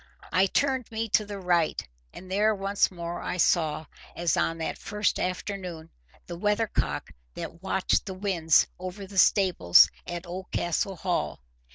I turned me to the right, and there once more I saw, as on that first afternoon, the weathercock that watched the winds over the stables at Oldcastle Hall.